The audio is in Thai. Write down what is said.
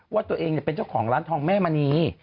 ว่าตัวเองเป็นเจ้าของร้านทองแม่มณี